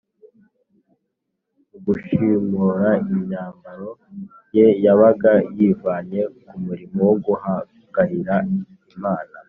mu gushishimura imyambaro ye, yabaga yivanye ku murimo wo guhagarira imana